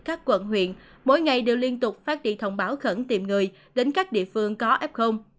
các quận huyện mỗi ngày đều liên tục phát đi thông báo khẩn tìm người đến các địa phương có f